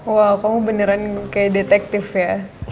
wow kamu beneran kayak detektif ya